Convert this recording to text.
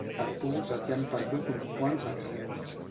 A tu se t'hi han perdut uns quants accents